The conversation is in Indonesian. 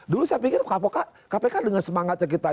dulu saya pikir kapok kapok kpk dengan semangatnya kita